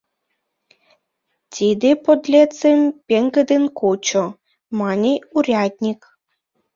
— Тиде подлецым пеҥгыдын кучо! — мане урядник.